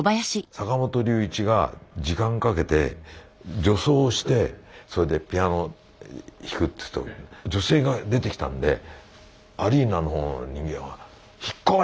坂本龍一が時間かけて女装をしてそれでピアノを弾くっていうと女性が出てきたんでアリーナの人間は「引っ込め」って誰かが言い始めたの。